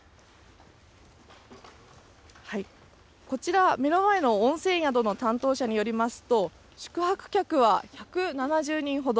こちら、目の前の温泉宿の担当者によりますと、宿泊客は１７０人ほど。